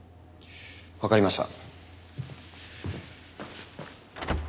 わかりました。